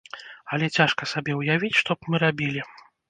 Але цяжка сабе ўявіць, што б мы рабілі.